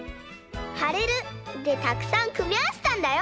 「はれる」でたくさんくみあわせたんだよ！